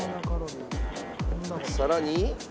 さらに。